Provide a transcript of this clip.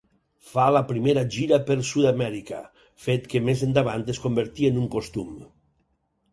Fa la primera gira per Sud-amèrica, fet que més endavant es convertí en un costum.